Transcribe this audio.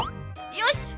よし！